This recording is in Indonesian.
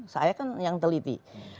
saya kan yang teliti